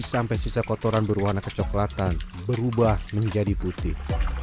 sampai sisa kotoran berwarna kecoklatan berubah menjadi putih